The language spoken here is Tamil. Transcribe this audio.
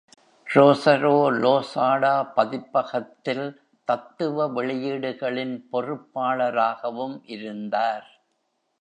ரோசரோ லோசாடா பதிப்பகத்தில் தத்துவ வெளியீடுகளின் பொறுப்பாளராகவும் இருந்தார்.